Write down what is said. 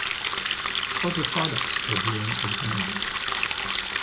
Other products are being examined.